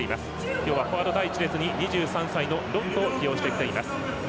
今日はフォワード第１列にロッドを起用しています。